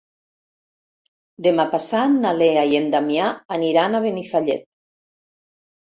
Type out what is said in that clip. Demà passat na Lea i en Damià aniran a Benifallet.